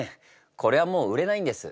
これはもう売れないんです。